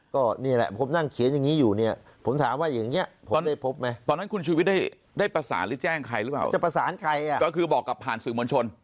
ก็นี่แหละผมนั่งเขียนอย่างนี้อยู่เนี่ยผมถามว่าอย่างนี้ผมได้พบไหมตอนนั้นคุณชูวิทย์ได้ประสานหรือแจ้งใครหรือเปล่าจะประสานใครอ่ะก็คือบอกกับผ่านสื่อมวลชน